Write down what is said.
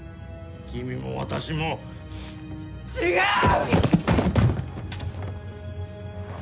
君も私も違う！